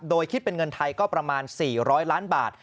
โดยคิดเป็นเงินไทยก็ประมาณ๔๐๐ล้านบาท